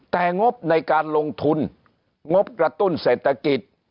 แต่งบในการลงทุนงบกระตุ้นเศรษฐกิจ